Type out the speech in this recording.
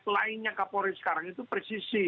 taktu lainnya kepolisian sekarang itu presisi